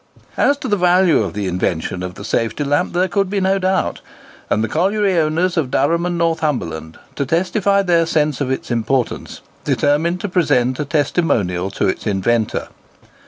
As to the value of the invention of the safety lamp there could be no doubt; and the colliery owners of Durham and Northumberland, to testify their sense of its importance, determined to present a testimonial to its inventor.